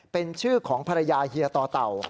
เป็นชื่อของภรรยาเฮียต่อเต่า